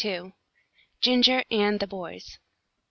GINGER AND THE BOYS.